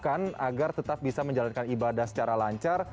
yang bisa kita terapkan agar tetap bisa menjalankan ibadah secara lancar